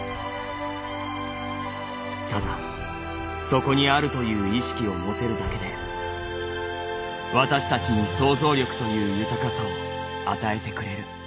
ただそこに在るという意識を持てるだけで私たちに想像力という豊かさを与えてくれる」。